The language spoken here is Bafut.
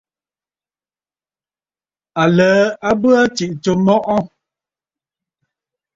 Aləə a bə aa tsiꞌì tsǒ mɔꞌɔ.